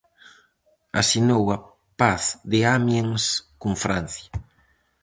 Asinou a Paz de Amiens con Francia.